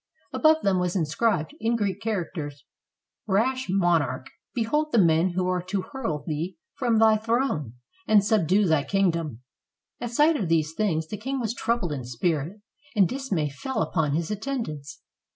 Above them was inscribed, in Greek characters, "Rash monarch! behold the men who are to hurl thee from thy throne, and subdue thy king dom!" At sight of these things the king was troubled in spirit, and dismay fell upon his attendants.